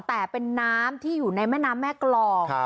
แต่เป็นน้ำที่อยู่ในแม่น้ำแม่กรอง